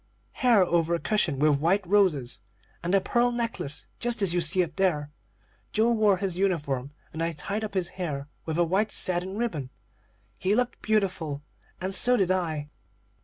Hair over a cushion with white roses, and the pearl necklace, just as you see up there. Joe wore his uniform, and I tied up his hair with a white satin ribbon. He looked beautiful, and so did I."